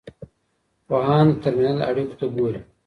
پوهان د ترمینل اړیکو ته ګوري.